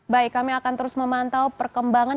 baik kami akan terus memantau perkembangan